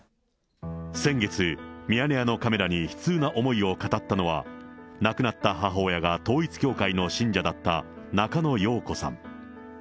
先月、ミヤネ屋のカメラに悲痛な思いを語ったのは、亡くなった母親が統一教会の信者だった中野容子さん。